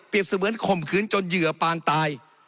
เสมือนข่มขืนจนเหยื่อปานตาย